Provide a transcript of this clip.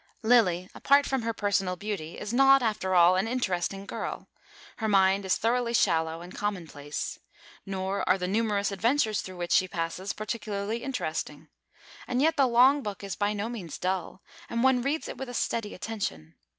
Lilly, apart from her personal beauty, is not, after all, an interesting girl; her mind is thoroughly shallow and commonplace. Nor are the numerous adventures through which she passes particularly interesting. And yet the long book is by no means dull, and one reads it with steady attention.